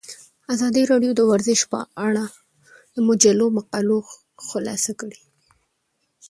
ازادي راډیو د ورزش په اړه د مجلو مقالو خلاصه کړې.